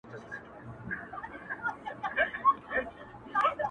زه ستا په ځان كي يم ماته پيدا كړه,